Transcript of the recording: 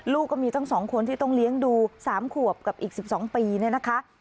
ลูกก็มีตั้ง๒คนที่ต้องเลี้ยงดู๓ขวบกับอีก๑๒ปีเนี่ยนะคะ